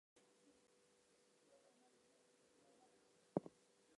He is the brother of philosopher Alvin Plantinga and musicologist Leon Plantinga.